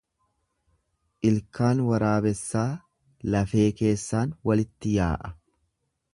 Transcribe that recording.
Ilkaan waraabessaa lafee keessaan walitti yaa'a.